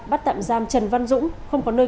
bắt tạm giam trần văn dũng không có nơi